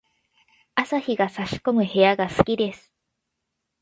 朝日が差し込む部屋が好きです。